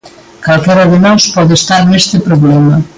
Calquera de nós pode estar neste problema.